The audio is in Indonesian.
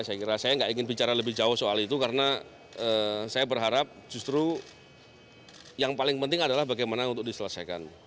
saya kira saya nggak ingin bicara lebih jauh soal itu karena saya berharap justru yang paling penting adalah bagaimana untuk diselesaikan